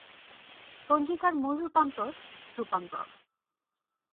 পঞ্জিকার মূল রূপান্তর রূপান্তর।